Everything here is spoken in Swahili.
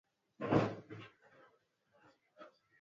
Kamaleon inaikalaka na ma rangi ya mingi